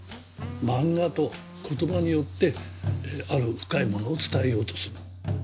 漫画と言葉によってある深いものを伝えようとする。